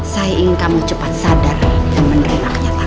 saya ingin kamu cepat sadar dan menerima kenyataan